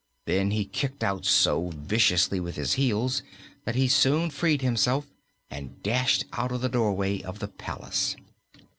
Then he kicked out so viciously with his heels that he soon freed himself and dashed out of the doorway of the palace.